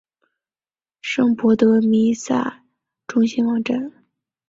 圣博德弥撒中心网站